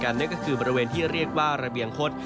เงาดีเก่านี้ก็คือบริเวณที่เรียกว่าระเบียงขต